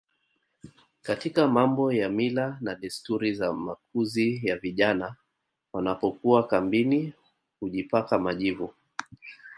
katika mambo ya mila na desturi za makuzi ya vijana Wanapokuwa kambini hujipaka majivu